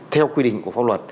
theo quy định của phong luật